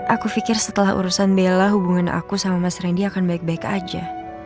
aku pikir setelah urusan bella hubungan aku sama mas randy akan baik baik aja